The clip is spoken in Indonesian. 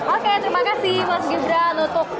oke terima kasih mas gibran untuk